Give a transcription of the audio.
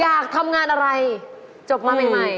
อยากทำงานอะไรจบมาใหม่